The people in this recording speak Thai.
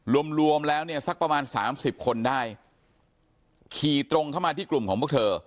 รวมรวมแล้วเนี่ยสักประมาณสามสิบคนได้ขี่ตรงเข้ามาที่กลุ่มของพวกเธอ